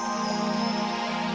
suaranya baik baik terserah comanku